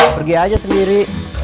pergi aja sendiri